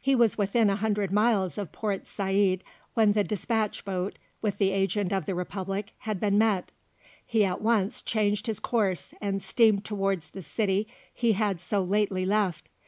He was within a hundred miles of Port Said when the despatch boat, with the Agent of the Republic, had been met. He at once changed his course, and steamed towards the city he had so lately left.